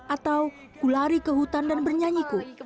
atau ku lari ke hutan dan bernyanyiku